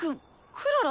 クララ？